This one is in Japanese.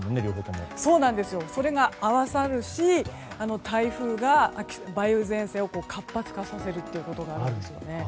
それが合わさるし台風が梅雨前線を活発化させるということがあるんですね。